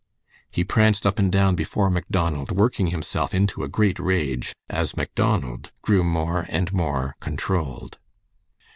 He pranced up and down before Macdonald, working himself into a great rage, as Macdonald grew more and more controlled.